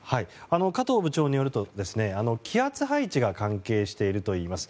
加藤部長によると気圧配置が関係しているといいます。